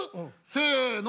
せの。